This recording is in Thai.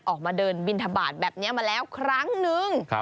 ออกมาเดินบินทบาทแบบนี้มาแล้วครั้งนึง